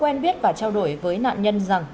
tân biết và trao đổi với nạn nhân rằng